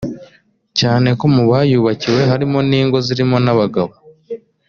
cyane ko mu bayubakiwe harimo n’ingo zirimo n’abagabo